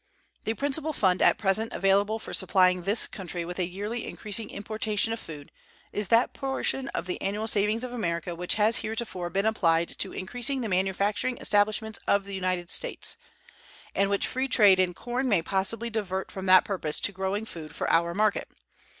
The principal fund at present available for supplying this country with a yearly increasing importation of food is that portion of the annual savings of America which has heretofore been applied to increasing the manufacturing establishments of the United States, and which free trade in corn may possibly divert from that purpose to growing food for our market.